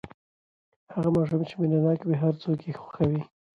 هغه ماشوم چې مینه ناک وي، هر څوک یې خوښوي.